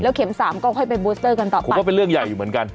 เข็มสามก็ค่อยไปบูสเตอร์กันต่อไปผมว่าเป็นเรื่องใหญ่อยู่เหมือนกัน